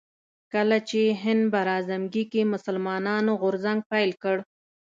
کله چې هند براعظمګي کې مسلمانانو غورځنګ پيل کړ